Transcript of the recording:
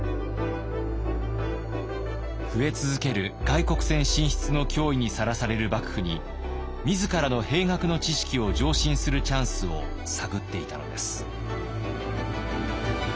増え続ける外国船進出の脅威にさらされる幕府に自らの兵学の知識を上申するチャンスを探っていたのです。